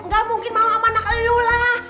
gak mungkin mau sama anak lu lah